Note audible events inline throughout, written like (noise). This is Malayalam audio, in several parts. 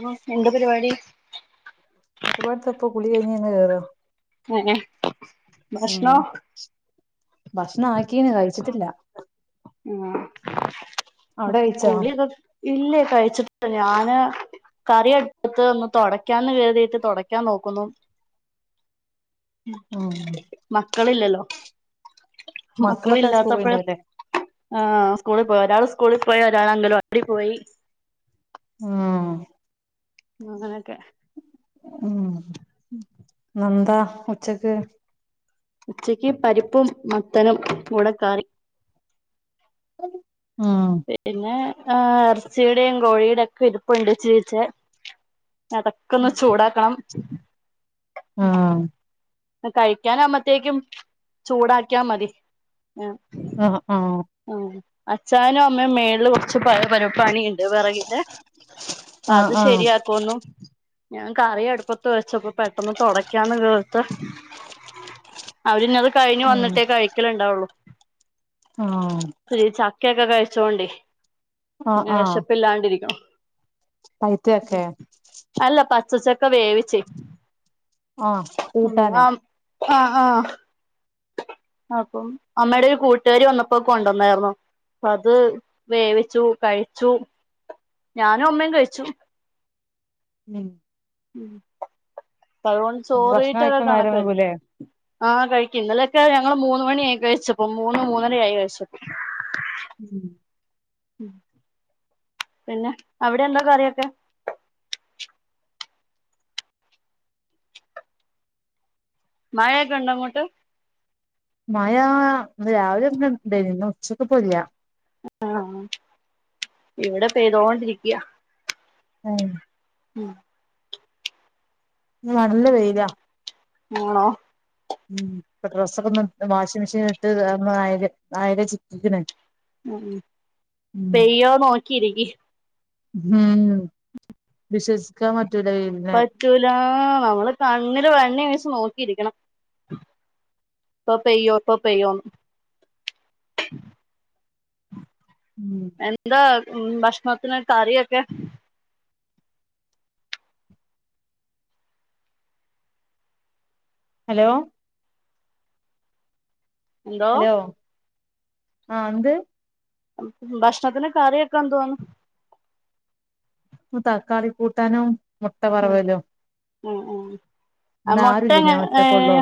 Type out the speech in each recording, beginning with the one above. ആഹ് എന്ത പരിപാടി? പരിപാടിത്തപ്പ കുളി കഴിഞ്ഞ് വന്ന് കേറാ. ഏഹേ ഭഷ്ണോ? ഭക്ഷണാക്കീന് കഴിച്ചിട്ടില്ല ആഹ് അവിടെ കഴിച്ചോ കുളിയൊക്കെ ഇല്ലേ കഴിച്ചിട്ടില്ല ഞാന് കറി അടുപ്പത്ത് ഒന്ന് തൊടയ്ക്കാന്ന് കരുതീട്ട് തൊടയ്ക്കാൻ നോക്കുന്നു ആഹ് മക്കളില്ലല്ലോ മക്കളൊക്കെ സ്കൂൾ മക്കളില്ലാത്തപ്പഴേ പോയിണ്ടാവുല്ലേ ആഹ് സ്കൂളിൽ പോയി ഒരാൾ സ്കൂളിൽ പോയി ഒരാളെങ്കലവാടി പോയി ആഹ് അങ്ങനൊക്കെ ഉം ഇന്നന്താ ഉച്ചക്ക് ഉച്ചക്ക് പരിപ്പും മത്തനും കൂടെ കറി ഉം പിന്നെ ഏഹ് എറച്ചിയുടെയും കോഴിയുടെ ഒക്കെ ഇരിപ്പുണ്ട് ഇച്ചിരീച്ചെ അതൊക്കെ ഒന്ന് ചൂടാക്കണം ആഹ് കഴിക്കാനാവുമ്പത്തേക്കും ചൂടാക്കിയാ മതി ആഹ് ആഹ് ആഹ് ആഹ് അച്ഛായനും അമ്മയും മേളില് കൊർച്ച് പ പര് പണിയ്ണ്ട് വെറകിൻ്റെ ആഹ് അത് ആഹ് ശരിയാക്കുന്നു ഞാൻ കറി അടുപ്പത്ത് വെച്ചപ്പോ പെട്ടന്ന് തുടയ്ക്കാന്ന് കേ ത്ത്. അവരിഞ്ഞത് കഴിഞ്ഞ് ഉം വന്നിട്ടേ കഴിക്കല് ഇണ്ടാവൊള്ളു ആഹ് ചക്കയൊക്കെ കഴിച്ചോണ്ടേ ആഹ് (unintelligible) ആഹ് വിശപ്പില്ലാണ്ടിരിക്ണു ഉം. പൈത്തയൊക്കെ അല്ല പച്ചസോ ചക്ക വേവിച്ചെ ആഹ് ഉം കൂട്ടാന് ആം ആഹ് ആഹ് അപ്പം അമ്മയുടെ ഒരു കൂട്ടുകാരി വന്നപ്പോ കൊണ്ടന്നായിർന്നു. അത് വേവിച്ചു കഴിച്ചു ഞാനും അമ്മയും കഴിച്ചു. ഉം ഉം തഴോണ്ട് ഭക്ഷണം ചോറീറ്റ അവ്ടെ കഴിക്കാൻ നേരം കണക്കായിരിക്കും. വൈകൂലേ ആഹ് കഴിക്കും ഇന്നലൊക്കെ ഞങ്ങള് മൂന്ന് മണി ആ കഴിച്ചപ്പോ മൂന്ന് മൂന്നര ആയി കഴിച്ചപ്പോ ഉം ഉം ഉം പിന്നെ അവിടെ എന്താ കറിയൊക്കെ മഴക്കെണ്ടോ അങ്ങോട്ട് മഴാ ഇന്ന് രാവിലെ ഒന്ന്ണ്ടേനി ഇന്ന് ഉച്ചക്ക്പ്പല്ല. ആഹ് ഇവടെ പെയ്തോണ്ടിരിക്ക ഏഹ് ഉം (unintelligible) വൂണോ ഉം ഇപ്പ ഡ്രസ്സൊക്ക ഒന്ന് വാഷിംഗ് മെഷീല്ട്ട് (unintelligible) അയ്ല് ചിറ്റിക്ക്ണ്. ഉം ഉം പെയ്യോ നോക്കിരിക്കി ഉം വിശ്വസിക്കാൻ പറ്റൂല വെയ് പറ്റൂലാ നമ്മള് കണ്ണില് വെണ്ണ വീച്ച് നോക്കിയിരിക്കണം. (unintelligible) എന്താ ഭക്ഷണത്തിന് കറിയൊക്കെ ഹലോ എന്തോ ഹലോ ആഹ് എന്ത് ഭക്ഷണത്തിന് കറിയൊക്കെ എന്തുവോന്ന് തക്കാളി കൂട്ടാനുംമുട്ട വറവലും ആഹ് ആഹ് ഇന്ന് മുട്ട ആരുല്ല എങ്ങ ഞാൻ ഏ ഒറ്റക്കൊള്ളൂ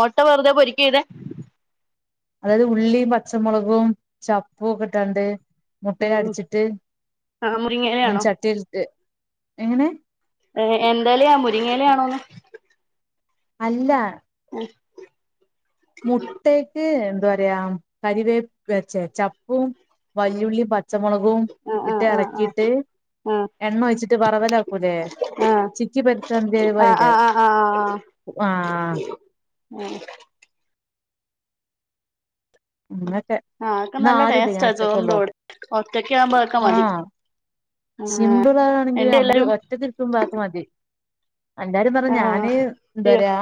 മുട്ട വെറുതെ പൊരിക്കയ്തെ അതായത് ഉള്ളി പച്ചമുളകും ചപ്പും ഒക്കെ ഇട്ടാണ്ട് മുട്ടേല് ഉം അട്ച്ചിട്ട് ആഹ് ഇങ്ങനെ മുരിങ്ങയിലയാണോ ചട്ടിൽക്ക് എങ്ങനെ ഏ എന്തേലാ മുരിങ്ങയിലാണോന്ന് അല്ല ഏഹ് ഏഹ് മുട്ടേക്ക് എന്താറിയാ കരിവേപ്പ് ഛെ ചപ്പും വല്ലുള്ളിയും പ പച്ചമുളകും ആഹ് ഇട്ട് ആഹ് ആഹ് ആഹ് എളക്കിയിട്ട് ആഹ് എണ്ണ ഒഴിച്ചിട്ട് വറവലാക്കൂലേ ചിക്കി പർത്ത (unintelligible) ആഹ് ആഹ് ആഹ് ആഹ് ആഹ് ആഹ് ആഹ് ആഹ് (unintelligible) അങ്ങൊക്കെ ആഹ് അതൊക്കെ ഇന്ന് നല്ല ആരുല്ല ടേസ്റ്റാ ചോറിന്റെ ഞാഒട്ടൊക്കെള്ളൂ കൂടെ ഒറ്റക്ക് ആവുമ്പോ അതൊക്കെ മതി ആഹ് ആഹ് സിമ്പിൾ ആവാണെങ്കിൽ എന്റെ നമുക്ക് എല്ലാരും ഒറ്റക്ക് മ്പക്ക് മതി എല്ലാരും ന്ന്പർഞ്ഞ ആഹ് ഞാന് എന്താ അയ്യോ പറിയാ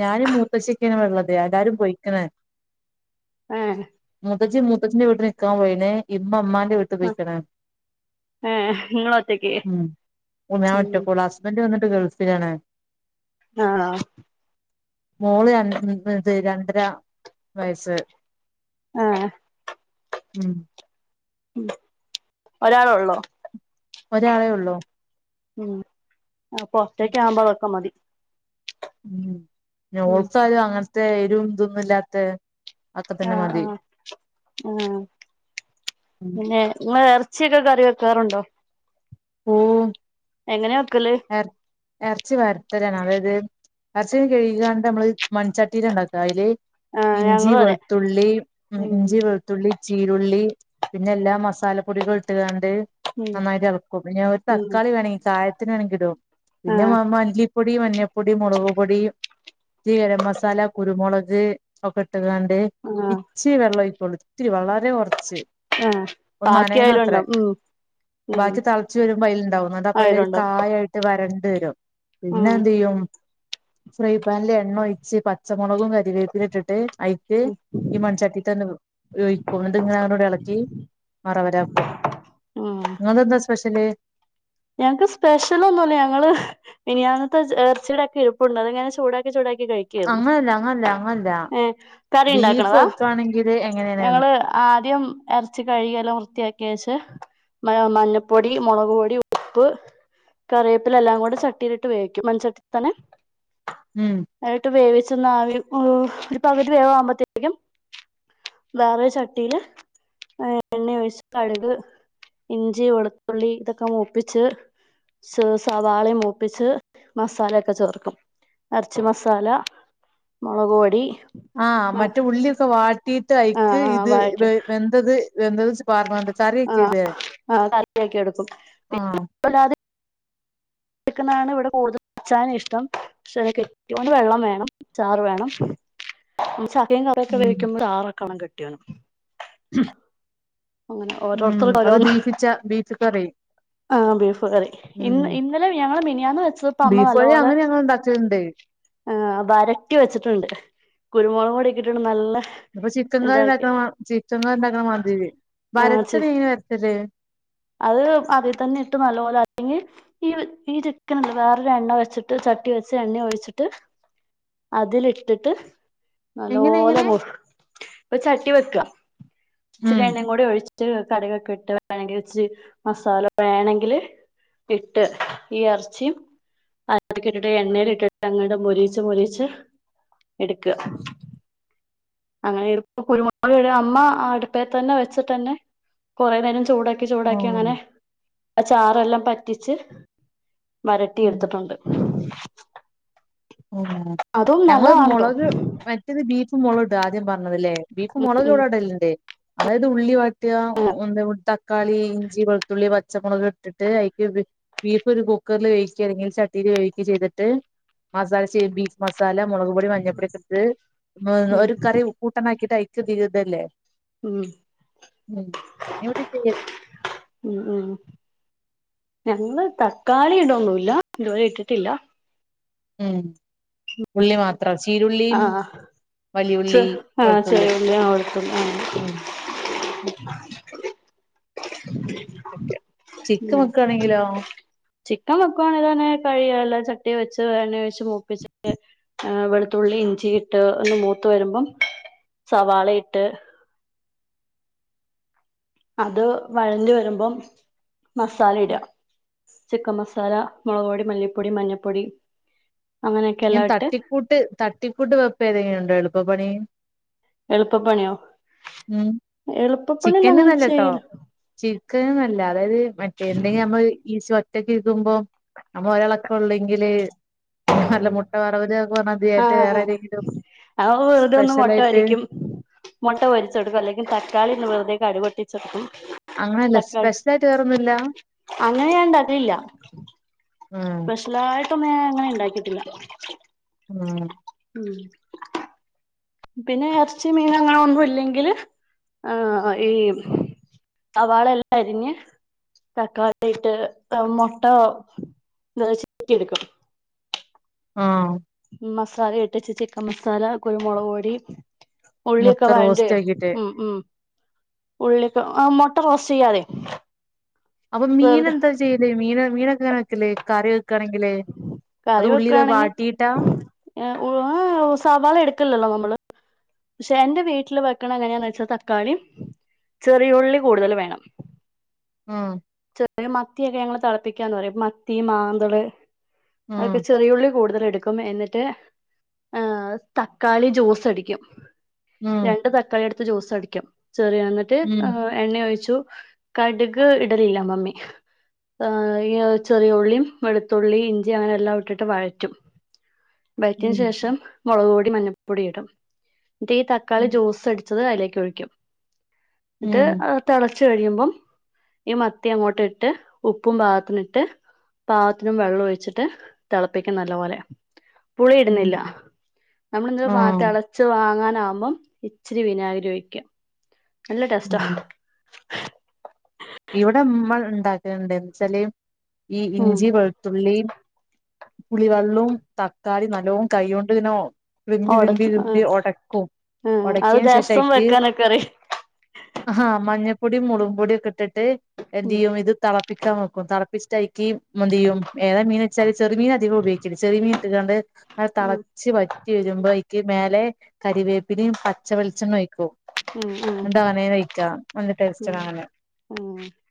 ഞാനും മൂത്തച്ചി ഒക്കേണ് ഇവിടുള്ളത് എല്ലാരും പോയ്ക്ക്ണ്. ഏഹ് മൂത്തജി മൂത്തജിന്റെ വീട്ടിൽ നിക്കാൻ പോയീണ് ഇമ്മ ഇമ്മാന്റെ വീട്ടി ആഹ് ഏഹ് ഇങ്ങളൊറ്റക്ക് ഉം ഞാൻ ഒറ്റക്കൊള്ളു ഹസ്ബന്റ് ങ്ങട്ട് ഗൾഫിലാണ് ആഹ് മോള് രണ് ഇത് രണ്ടര വയസ്സ് ആഹ് ഉം ഉം ഒരാളൊള്ളു ഒരാളേ ഉള്ളൂ ഉം പാെറത്തേക്കേവുമ്പോ അതൊക്കെമതി ഉം ഞ്ഓൾക്കാലും അങ്ങൻത്തെ രും ഇതൊന്നും ഇല്ലാത്തെ ഒക്കെ തന്നെ ആഹ് മതി ആഹ് ആഹ് പിന്നെ ഇങ്ങള് വേറെ ച്ചെക്കെ കറി വെക്കാറുണ്ടോ ഓഹ് എങ്ങനെ വെക്കല് എർ എർച്ചി വർട്ടലാണ് അതായത് അർച്ചെക്കെ കഴികാണ്ട് നമ്മള് മൺചട്ടിയിലാ ഇണ്ടാക്ക അയില് ആഹ് ഇഞ്ചി ഞങ്ങളും അതെ വെൾത്തുള്ളി ഉ ഉം ഇഞ്ചി വെള്ത്- ൾത്തുള്ളി ചീരുള്ളി പിന്നെ എല്ലാ മസാലപ്പൊടികളും ഇട്ട്കാണ്ട് ഉം നന്നായിട്ട് എളക്കും പിന്നെ ഒരു ഉം തക്കാളി വേണമെങ്കി കായത്തിന് വേണമെങ്കി ഇടും പിന്നെ മ ആഹ് മല്ലിപ്പൊടി മഞ്ഞപ്പൊടി മാെളക്പൊടി ഇത്രി ഗരം മസാല കുരുമുളക് ഒക്കെ ഇട്ട്ക്കാണ്ട് ആഹ് ച്ചിരി‌ വെള്ളഒഴിക്കാെള്ളൂ ഇത്തിരി വളരെ കാെറച്ച് ആഹ് ഒന്ന് ബാക്കി നന്നയണ അയിലും അത്ര ഉണ്ടാവും ഉം ഉം ബാക്കി തളച്ച് വരുമ്പോ അയില്ണ്ടാവും അതപ്പ ഇല്ലേല് അയിലുണ്ടാവും കായായിട്ട് വരണ്ട് വരും പിന്നെ ഉം എന്തെയ്യും ഫ്രൈ പാനില് എണ്ണ ഒഴിച്ച് പച്ചമാെളകും കര് രേപ്പിലിം ഇട്ട്ട്ട് അയ്ക്ക് ഉം ഈ മൻചട്ടീതന്നെ ഒഴിക്കും ന്നട്ട്ങ്ങനെ അങ്ങട്ടൂട്ടും എളക്കി മറവരാക്കും ഉം ഇങ്ങക്കന്താ സ്പെഷ്യല് ഞങ്ങക്ക് സ്പെഷ്യലഒന്നുംല്ല ഞങ്ങള് മിനിയാന്ന്‌ത്തെച് എർച്ചീടെ ആ ക്കിഴ്‌പ്പുണ്ട് അത്ങ്ങനെ ചൂടാക്കി ചൂടാക്കി കഴിക്കും അങ്ങനല്ല അങ്ങനല്ല അങ്ങനല്ല ക്കി ഏഹ് ബീഫ് കറിണ്ടാക്ക്ണതാ വെക്കാണെങ്കില് എങ്ങനെയാണ് ഞങ്ങള് ആദ്യം എർച്ചി കഴികിയെല്ലാം വൃത്തിയാക്കിയേച്ച് മ മഞ്ഞപ്പൊടി മാെളക് പൊടി ഉപ് ഉപ്പ് കറിയേപ്പില എല്ലാം കൂടെ ചട്ടിയിലിട്ട് വേവിക്കും മൺചട്ടീ തന്നെ ഉം എന്നട്ട് വേവിച്ചന്ന് ആവി ഒരു പകുതി വേവവുമ്പോത്തേക്കും വേറെരു ചട്ടിയില് എ എണ്ണഒഴിച്ച കട്ക് ഇഞ്ചി വെളുത്തുള്ളി ഇതൊക്കെ മൂപ്പ് പ്പിച്ച് സ് സവാളിം മൂപ്പിച്ച് മസാലൊക്കെ ചേർക്കും എർച്ചി മസാല മാെളക് പൊടി ആഹ് മറ്റേ ആ ഉള്ളിയൊക്കെ വാട്ടിയിട്ട് അയ്ക്ക് ആ ഇത് വഴറ്റി വേവ് വെന്തത് വെന്തത്ച് പാർന്നാണ്ട് കറിവെക്കല്ലേ ആ കറിയാക്കി എടുക്കും (inaudible) ആഹ് അല്ലാതെ എട്ക്ണ്ണാണ് ഇവിടെ കൂടുതൽ അച്ചാന് ഇഷ്ട്ടം പക്ഷെ കെട്ടോന് വെള്ളം വേണം ചാറ് വേണം ചക്കയും ക ക്ക ക്കെ ഉം വേവിക്കുമ്പോ ചാറോക്കാണം കെട്ടിയോന് അങ്ങനെ ഉം ഓരോരുത്തർക്ക് അത് ബീഫിച്ച ബീഫ് കറി ആഹ് ബീഫ് കറി ഇന്ന് ഇന്നലെ ഞങ്ങള് മിനിയാന്ന് വെച്ച് ബീഫ്ക്കറി അങ്ങനെ ഞങ്ങൾ ഇണ്ടാക്കല്ണ്ടെ ആഹ് വരട്ടി വെച്ചിട്ട്ണ്ട് കുരുമുളക് പൊടാെക്കെ ഇട്ടിട്ട് നല്ല ഇപ്പൊ ചിക്കൻകറി ഇതാക്കി ഇണ്ടാക്ക്ണ മാ ചിക്കൻകറി ഇണ്ടാക്ക്ണ മാതിരി ആ വരട്ട ചി (unintelligible) അത് അതിൽ തന്നെ ഇട്ട് നല്ലോല അല്ലെങ്കി ഈയ് ഈ ചിക്കൻണ്ട വേറൊരു എണ്ണ ഒഴിച്ചിട്ട് ചട്ടി വെച്ച് എണ്ണ ഒഴിച്ചിട്ട് അതിലിട്ടിട്ട് എങ്ങനെ നല്ലോലെ എങ്ങനെ മൂപ് ഇപ്പ ചട്ടി വെക്ക ഇച്ചിരി ഉം എണ്ണേം കൂടെ ഒഴിച്ച് ച്ച് കട്കൊക്കെ ഇട്ട് വേണെങ്കിൽ ച്ച് മസാല വേണെങ്കില് ഇട്ട് ഈ എർച്ചിം അതൊക്കെ ഇട്ടിട്ട് എണ്ണേൽ ഇട്ട്ട്ട് അങ്ങട് മാെരീച്ച് മാെരീച്ച് ഇടുക്കാ അങ്ങനെണ് ഇപ്പൊ കുരുമുള്ളക്ക് വേറെ അമ്മ ആ അടുപ്പേ തന്നെ വെച്ചിട്ട് തന്നെ കൊറേ നേരം ചൂട ചൂടാക്കി ആഹ് അങ്ങനെ ആ ചാറെല്ലാം പറ്റിച്ച് വരട്ടി എടുത്തിട്ടുണ്ട് പിന്നെ അതും ഞങ്ങള് നല്ലതാണ് കേട്ടോ മുളക് മറ്റത് ബീ ബീഫ് മുള ഇട്ടാ ആദ്യം പറഞ്ഞതല്ലേ ബീഫ് മുളക് ഉം ഇവിടെ ഇടലുണ്ട് അതായത് ഉള്ളി വട്ടി ട്ടാ, എന്താ തക്കാളി ഇഞ്ചി വെളുത്തുള്ളി പച്ചമുളക് ഇട്ടിട്ട് ആയിക്ക് ഇത് ബീഫ് ഒരു കുക്കറിൽ വേവിക്കുക അല്ലെങ്കിൽ ചട്ടിൽ വേവിക്കുക ചെയ്തിട്ട് മസാല ചെബി മസാല മുളക് പൊടി മഞ്ഞപോടിയൊക്കെ ഇട്ട് ഉം ഒരു കറി ഉപ്പ് കൂട്ടനാക്കിട്ട് ആയിക്ക് ഇതിടല്ലേ ഉം ഉം ഇവിടെ എന്താ ചെയ് ഉം ഉം ഞങ്ങള് തക്കാളി ഇടൊന്നുല്ല ഇതുവരെ ഇട്ടിട്ടില്ല ഉം ഉള്ളി മാത്രം ചീരുള്ളിയും ആഹ് ച്ച്, വലിയുള്ളി ആഹ് വെളുത്തുള്ളി ചെറിയഉള്ളി ആഹ് വെളുത്തുള്ളി ഉം ആഹ് എന്തൊക്കെ ഉം ചിക്കാൻവേക്കാണെങ്കിലോ ചിക്കൻ വെക്കുവാണേല് അങ്ങനെ കഴിക്കി ചട്ടി ചട്ടി വെച്ച് എണ്ണ വെച്ച് മൂപ്പിച്ചിട്ട് ഏ വെളുത്തുള്ളി ഇഞ്ചിയിട്ട് ഒന്ന് മൂത്ത് വരുമ്പോ സവാളയിട്ട് അത് വാഴണ്ട് വരുമ്പോ മസാല ഇടുക ചിക്കൻ മസാല മുളക് പൊടി മല്ലിപ്പൊടി മഞ്ഞപ്പൊടി അങ്ങനെയൊക്കെ എല്ലാം ഇങ്ങനെ ഇട്ട് തട്ടിക്കൂട്ട് തട്ടിക്കൂട്ട് വെപ്പ് ഏതെങ്കിലും ഉണ്ടോ എളുപ്പപ്പണി എളുപ്പപ്പണിയോ ഉം എളുപ്പപ്പണി ഒന്ന് അങ്ങനെ ചെയ്യല ചിരിക്കൻന്നല്ല അതായത് മറ്റേ എന്തെങ്കിലും നമ്മള് ഈ ഒറ്റക്ക് ഇരിക്കുമ്പോ നമ്മള് ഒരാളക്കെ ഉള്ളെങ്കില് അല്ല മുട്ട വരവധി ആക്കുവാന്ന ആഹ് ആഹ് അപ്പോ വെറുതൊന്നും സ്പെഷ്യൽ മുട്ട ആയിട്ട് പൊരിക്കും മുട്ട വൊരിച്ചെടുക്കും അല്ലെങ്കിൽ തക്കാളിന്ന് വെുതെ കടുക് പൊട്ടിച്ചെടുക്കും അങ്ങനെയല്ല തക്കാളി സ്പെഷ്യൽ ആയിട്ട് വേറൊന്നുല്ല അങ്ങനെ ഞാൻ ഇണ്ടാക്കലില്ല ഉം സ്പെഷ്യലയിട്ടൊന്നും ഞാൻ അങ്ങനെ ഉണ്ടാക്കിയിട്ടില്ല ഉം ഉം പിന്നെ ഇറച്ചി മീൻ അങ്ങനെ ഒന്നും ഇല്ലെങ്കില് ആഹ് ഈ സവാള എല്ലാം അരിഞ്ഞ് തക്കാളിയിട്ട് മുട്ട ഉപോയോഗിച്ച് ചിക്കി എടുക്കും ആഹ് മസാല ഇട്ടച്ച് ചിക്കൻ മസാല കുരുമുളക് പൊടി മുട്ട ഉള്ളിയൊക്കെ വയണ്ട് റോസ്റ്റ് ആക്കിട്ട് ഉം ഉം ഉള്ളിയൊക്കെ ആഹ് മൊട്ട റോസ്റ്റ് ചെയ്യ പറയും അപ്പൊ മീൻ എന്താ ചെയ്യല് മീൻ മീനൊക്കെ അങ്ങനെ വെക്കല് കറി വെക്ക ക്കണെങ്കില് അത് ഉള്ളിയ്ത് വാട്ടിയിട്ടാ ഏ ഉ സവാള എടുക്കില്ലല്ലോ നമ്മള് പക്ഷെ എന്റെ വീട്ടില് വെക്കണ എങ്ങനെയാന്ന് വെച്ചാൽ തക്കാളി ചെറിയുള്ളി കൂടുതൽ വേണം ആഹ് ചെറിയ മത്തിയൊക്കെ ഞങ്ങള് തളപ്പിക്കാന്ന് പറയും മത്തി മാന്തള് അതൊക്കെ ഉം ചെറിയുള്ളി കൂടുതൽ എടുക്കും ക്കും എന്നിട്ട് ഏഹ് തക്കാളി ജ്യൂസ് അടിക്കും ഉം രണ്ട് തക്കാളി എടുത്ത് ജ്യൂസ അടിക്കും ചെറിയ എന്നിട്ട് ഉം എണ്ണ ഒഴിച്ചു കടുക് ഇടലില്ല മമ്മി ഏ ഈ ചെറിയുള്ളിയും വെളുത്തുള്ളി ഇഞ്ചി അങ്ങനെ എല്ലാം ഇട്ടിട്ട് വഴറ്റും വയറ്റിയ ഉം ശേഷം മുളക് പൊടി മഞ്ഞപ്പൊടി ഇടും എന്നിട്ട് ഈ തക്കാളി ജ്യൂസ് അടിച്ചത് അതിലേക്ക് ഒഴിക്കും എന്നിട്ട് ഉം തിളച്ചു കഴിയുമ്പം ഈ മത്തി അങ്ങോട്ട് ഇട്ട് ഉപ്പും പാഗത്തിനിട്ട് പാഗത്തിനും വെള്ളം ഒഴിച്ചിട്ട് തിളപ്പിക്കും നല്ല പോലെ പുളി ഇടുന്നില്ല ഉം നമ്മള് ഇന് വാ ആഹ് തെളച്ച് വാങ്ങാൻ നാം ഇച്ചിരി വിനാഗിരി ഒഴിക്കാം നല്ല ടേസ്റ്റോ ഉം ഇവിടെ നമ്മൾ ഉണ്ടാക്കുന്നുണ്ട് ന്ന് വെച്ചാല് ഈ ഉം ഇഞ്ചി വെളുത്തുള്ളി പുളിവെള്ളവും തക്കാളി നല്ലോണം കൈകൊണ്ട് ഇനോ വിമ്പി വിമ്പി ഓടച്ച് ആ വിമ്പി ഉടക്കും ആ അത് ഉടക്കിയന് ശേഷം രസം എക്ക് വെക്കാനൊക്കെ അറിയാം ആഹ് മഞ്ഞപ്പൊടീം മുളകു പൊടിയും ഒക്കെ ഇട്ടിട്ട് ഉം എന്തെയ്യും ഇത് തെള പിക്കാൻ വെക്കും തളപ്പിച്ചിട്ടായിരിക്കക്ക് എന്ത്ചെയ്യും ഏതാ മീൻെച്ചാല് ചെറിയ മീന് അധികം ഉപയോഗിക്കും ചെറിയ മീൻ ഇട്ടാണ്ട് അത് ഉം തിളച്ച് വറ്റി വരുമ്പോ അനിക്ക് മേലെ കരിവേപ്പിലേം പച്ച വെളിച്ചെണ്ണേം ഒഴിക്കും ഉം എന്ട് അങ്ങനെ കയിക്ക നല്ല ഉം ടേസ്റ്റാണ് ഉം അങ്ങനെ ഉം